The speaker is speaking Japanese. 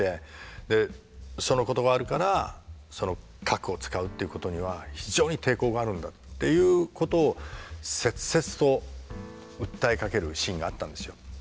でそのことがあるから核を使うっていうことには非常に抵抗があるんだっていうことを切々と訴えかけるシーンがあったんですよ。